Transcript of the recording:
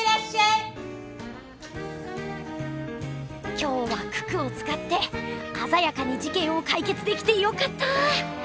今日は九九をつかってあざやかにじけんをかいけつできてよかったぁ！